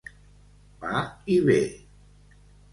Va i ve.